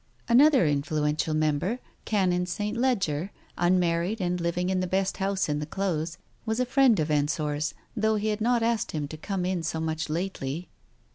Another influential member, Canon St. Leger, un married, and living in the best house in the Close, was a friend of Ensor's, though he had not asked him to come in so much lately.